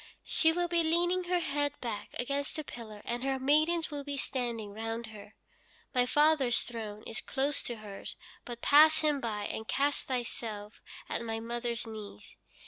She will be leaning her head back against a pillar, and her maidens will be standing round her. My father's throne is close to hers, but pass him by, and cast thyself at my mother's knees.